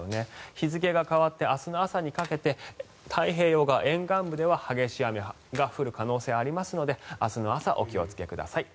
日付が変わって明日の朝にかけて太平洋川沿岸部では激しい雨が降る可能性がありますので明日の朝、お気をつけください。